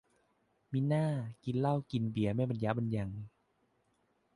มิน่ากินเหล้าเบียร์ไม่บันยะบันยัง